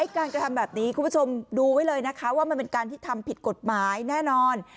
การกระทำแบบนี้คุณผู้ชมดูไว้เลยนะคะว่ามันเป็นการที่ทำผิดกฎหมายแน่นอน